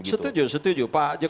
setuju setuju pak jokowi